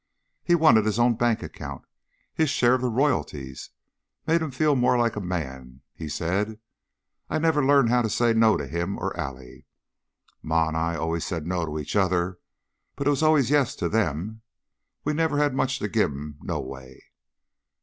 "He wanted his own bank account; his share of the royalties. Made him feel more like a man, he said. I I never learned how to say 'no' to him or Allie. Ma an' I allus said 'no' to each other, but it was allus 'yes' to them. We never had much to give 'em, noway."